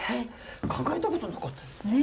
考えたことなかったですね。